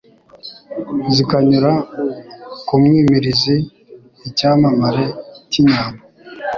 Zikanyura ku mwimirizi; Icyamamare cy' inyambo,